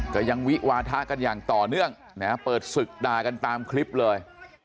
ก็ยังวิวาทะกันอย่างต่อเนื่องนะฮะเปิดศึกด่ากันตามคลิปเลย